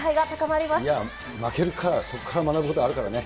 いや、負けるか、そこから学ぶことあるからね。